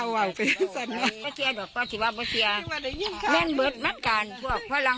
อยู่ทรมาน